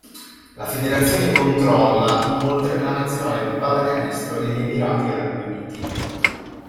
La federazione controlla inoltre la nazionale di pallacanestro degli Emirati Arabi Uniti.